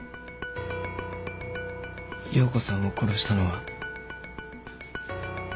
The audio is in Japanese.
葉子さんを殺したのは。